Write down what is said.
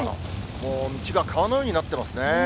もう道が川のようになってますね。